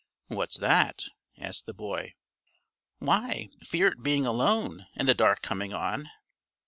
"What's that?" asked the boy. "Why, fear at being alone, and the dark coming on."